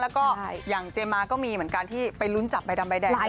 แล้วก็อย่างเจมมาก็มีเหมือนกันที่ไปลุ้นจับใบดำใบแดง